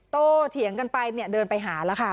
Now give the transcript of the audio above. โตเถียงกันไปเดินไปหาแล้วค่ะ